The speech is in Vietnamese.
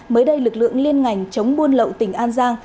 mới đây lực lượng liên ngành chống buôn lậu tỉnh an giang